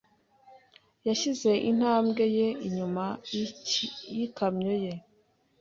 yashyize intambwe ye inyuma yikamyo ye.